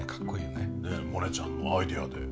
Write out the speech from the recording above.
ねえモネちゃんのアイデアで。